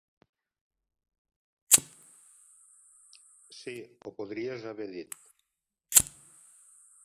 Sí, ho podries haver dit!